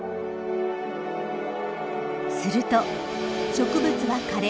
すると植物は枯れ